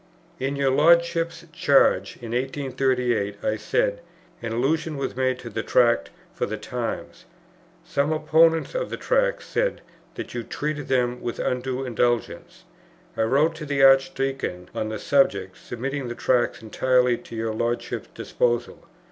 "In your Lordship's Charge for 1838," I said, "an allusion was made to the Tracts for the Times. Some opponents of the Tracts said that you treated them with undue indulgence.... I wrote to the Archdeacon on the subject, submitting the Tracts entirely to your Lordship's disposal.